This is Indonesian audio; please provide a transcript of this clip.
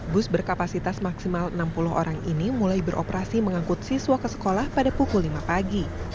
bus berkapasitas maksimal enam puluh orang ini mulai beroperasi mengangkut siswa ke sekolah pada pukul lima pagi